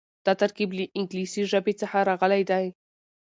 دا ترکيب له انګليسي ژبې څخه راغلی دی.